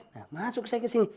nah masuk saya ke sini